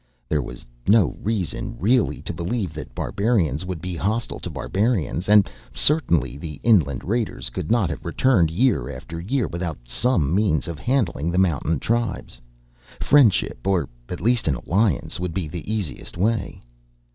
There was no reason, really, to believe that barbarians would be hostile to barbarians, and certainly the inland raiders could not have returned year after year without some means of handling the mountain tribes. Friendship, or at least an alliance, would be the easiest way.